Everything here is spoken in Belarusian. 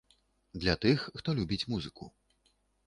Для тых, хто любіць музыку.